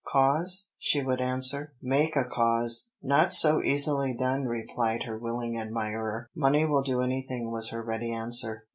"Cause?" she would answer; "make a cause!" "Not so easily done," replied her willing admirer. "Money will do anything," was her ready answer.